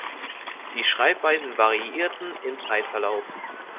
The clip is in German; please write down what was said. Die Schreibweisen variierten im Zeitverlauf.